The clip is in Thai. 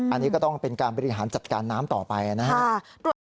อันนี้ก็ต้องเป็นการบริหารจัดการน้ำต่อไปนะครับ